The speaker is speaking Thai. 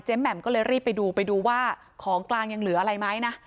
แหม่มก็เลยรีบไปดูไปดูว่าของกลางยังเหลืออะไรไหมนะ